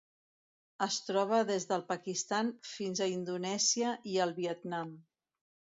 Es troba des del Pakistan fins a Indonèsia i el Vietnam.